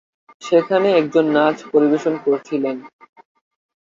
সেখানে একজন নাচ পরিবেশন করছিলেন।